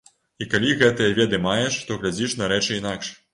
І калі гэтыя веды маеш, то глядзіш на рэчы інакш.